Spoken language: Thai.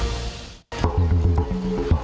มีความรู้สึกว่ามีความรู้สึกว่า